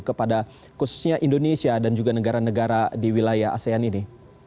kepada khususnya indonesia dan juga negara negara di wilayah asean ini